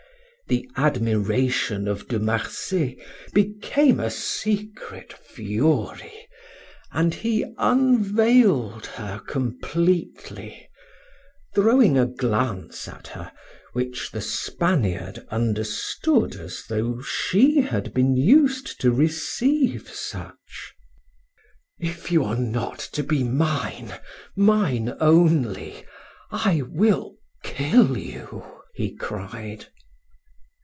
The admiration of De Marsay became a secret fury, and he unveiled her completely, throwing a glance at her which the Spaniard understood as though she had been used to receive such. "If you are not to be mine, mine only, I will kill you!" he cried.